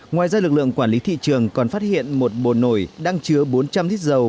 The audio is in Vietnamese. ngoài ra lực lượng quản lý thị trường còn phát hiện một bồn nổi đang chứa bốn trăm linh lít dầu